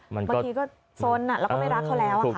บางทีก็สนแล้วก็ไม่รักเขาแล้วค่ะ